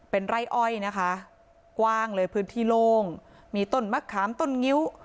เป็นไร่อ้อยนะคะกว้างเลยพื้นที่โล่งมีต้นมะขามต้นงิ้ว